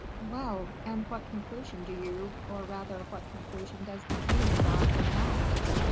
"Well, and what conclusion do you, or rather what conclusion does the king, draw from that?"